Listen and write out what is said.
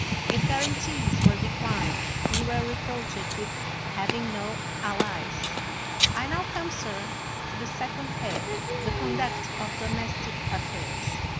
If guarantees were declined, we were reproached with having no allies. I now come, sir, to the second head — the con duct of domestic affairs.